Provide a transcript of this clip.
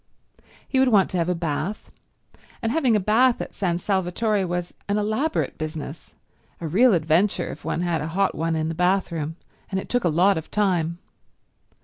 He would want to have a bath, and having a bath at San Salvatore was an elaborate business, a real adventure if one had a hot one in the bathroom, and it took a lot of time.